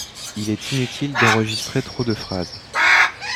Il est inutile d’enregistrer trop de phrases.